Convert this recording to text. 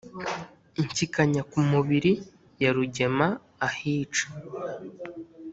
Inshyikanya ku mubiri ya Rugema ahica,